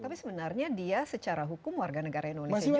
tapi sebenarnya dia secara hukum warga negara indonesia